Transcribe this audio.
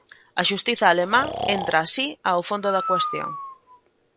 A xustiza alemá entra así ao fondo da cuestión.